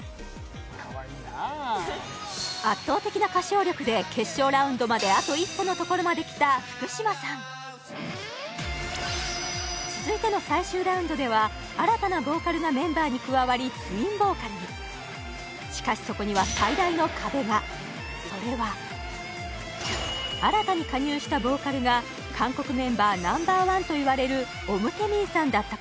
かわいいなあ圧倒的な歌唱力で決勝ラウンドまであと一歩のところまできた福嶌さん続いての最終ラウンドでは新たなボーカルがメンバーに加わりツインボーカルにしかしそこにはそれは新たに加入したボーカルが韓国メンバーＮｏ．１といわれるオム・テミンさんだった